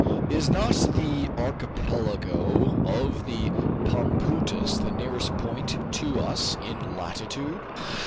"Is not the archipelago of the Pomoutous the nearest point to us in latitude?"